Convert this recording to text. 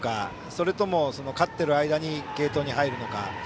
それとも、勝っている間に継投に入るのか。